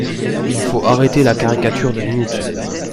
Il faut arrêter la caricature deux minutes